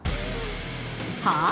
はあ？